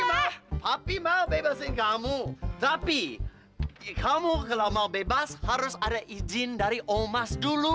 ah api mah bebasin kamu tapi kamu kalau mau bebas harus ada izin dari omas dulu